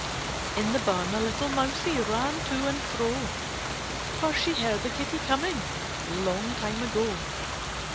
In the barn a little Mousie. Ran to and fro; For she heard the Kitty coming. Long time ago.